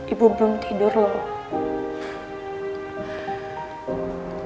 ibu belum tidur loh